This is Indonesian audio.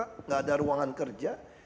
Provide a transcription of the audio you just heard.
tidak ada ruangan kerja